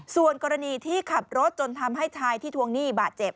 ส่วนกรณีที่ขับรถจนทำให้ชายที่ทวงหนี้บาดเจ็บ